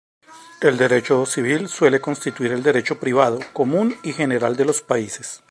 El derecho civil suele constituir el derecho privado, común y general de los países.